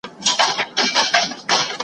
موږ د شین سترګي تعویذګر او پیر بابا په هیله .